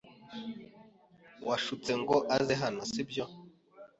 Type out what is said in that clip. Washutse ngo aze hano, sibyo?